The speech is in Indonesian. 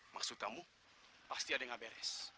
maksud kamu pasti ada yang gak beres